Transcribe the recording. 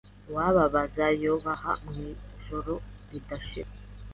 Uwababaza Yaboha mwijoro ridashira